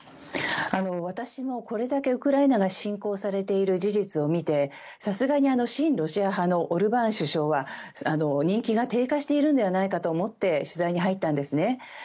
私もこれだけウクライナが侵攻されている事実を見てさすがに親ロシア派のオルバーン首相は人気が低下しているのではないかと思って取材に入ったんですね。